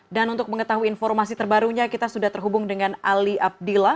dan untuk mengetahui informasi terbarunya kita sudah terhubung dengan ali abdillah